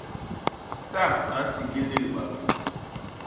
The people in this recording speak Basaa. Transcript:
Ta a ntiñgil ni libadô.